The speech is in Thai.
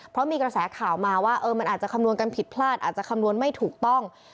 เพราะมีกระแสข่าวมาว่ามันอาจจะคำนวณกันผิดพลาดอาจจะคำนวณไม่ถูกต้อง